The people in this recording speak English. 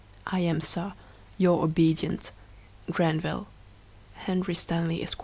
I am, Sir, Your obedient, GRANVILLE. Henry Stanley, Esq.